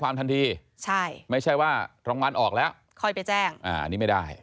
อ่านี่ไม่ได้